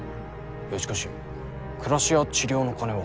しかし暮らしや治療の金は。